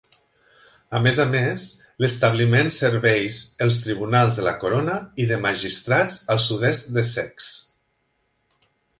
A més a més, l'establiment serveis els Tribunals de la Corona i de Magistrats al sud-est d'Essex.